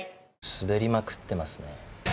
滑りまくってますね。